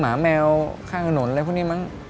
หมาแมวค่าคนนนต์